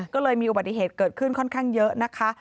ก็เลยมีอุบัติเหตุเกิดขึ้นค่อนข้างเยอะนะคะ